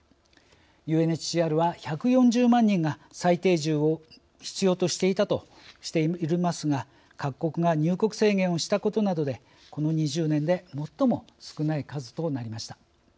ＵＮＨＣＲは１４０万人が再定住を必要としていたとしていますが各国が入国制限をしたことなどでこの２０年で最も少ない数となりました。